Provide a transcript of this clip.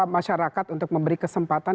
masyarakat untuk memberi kesempatan